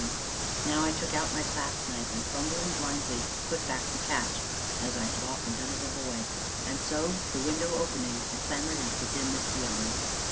And now I took out my clasp knife, and, fumbling blindly, put back the catch (as I had often done as a boy), and so, the window opening, I clambered into the dimness beyond.